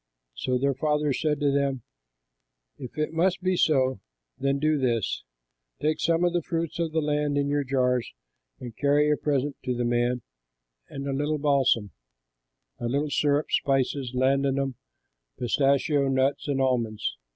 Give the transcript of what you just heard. So their father said to them, "If it must be so, then do this: take some of the fruits of the land in your jars and carry a present to the man, a little balsam, a little syrup, spices, ladanum, pistachio nuts, and almonds.